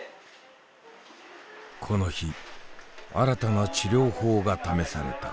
この日新たな治療法が試された。